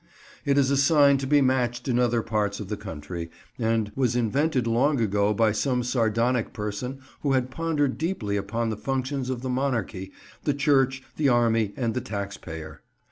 It is a sign to be matched in other parts of the country, and was invented long ago by some sardonic person who had pondered deeply upon the functions of the Monarchy, the Church, the Army, and the tax payer.